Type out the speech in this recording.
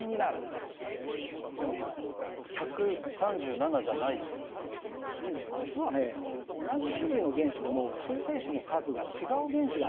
えっでも実はね同じ種類の原子でも中性子の数が違う原子があるんだね。